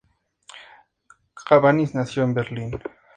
Cabanis nació en Berlín.